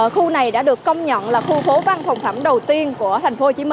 khu này đã được công nhận là khu phố văn phòng phẩm đầu tiên của tp hcm